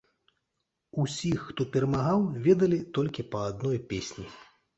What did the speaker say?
Усіх, хто перамагаў, ведалі толькі па адной песні.